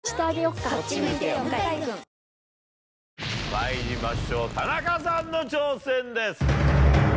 まいりましょう田中さんの挑戦です。